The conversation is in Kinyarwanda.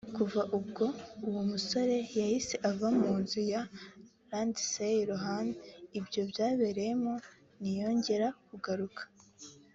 kuva ubwo uwo musore yahise ava mu nzu ya Lindsay Lohan ibyo byabereyemo ntiyongera kugaruka